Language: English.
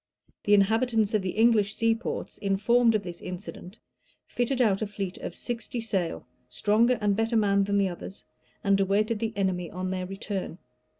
The inhabitants of the English seaports, informed of this incident, fitted out a fleet of sixty sail, stronger and better manned than the others, and awaited the enemy on their return.